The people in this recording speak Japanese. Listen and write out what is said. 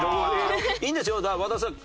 いいんですよ和田さん。